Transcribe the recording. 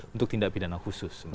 untuk tindak pidana khusus